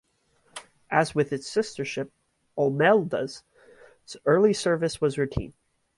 As with its sister ships, "Olmeda's" early service was routine.